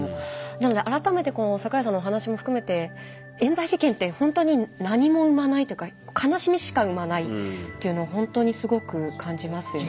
なので改めて桜井さんのお話も含めてえん罪事件ってほんとに何も生まないっていうか悲しみしか生まないっていうのをほんとにすごく感じますよね。